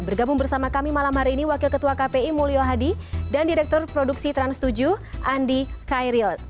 bergabung bersama kami malam hari ini wakil ketua kpi mulyo hadi dan direktur produksi trans tujuh andi kairil